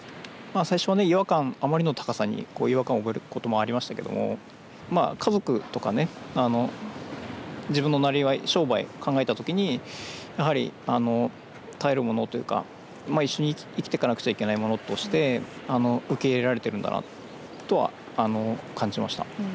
最初は、あまりの高さに違和感を覚えることもありましたけども家族とか自分のなりわい商売を考えたときにやはり頼るものというか一緒に生きていかなくちゃいけないものとして受け入れられているんだなとは感じました。